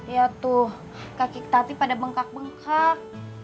ya tuh kaki ketati pada bengkak bengkak